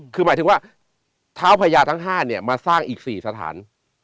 คือหมายถึงว่าเท้าพญาทั้ง๕เนี่ยมาสร้างอีก๔สถาน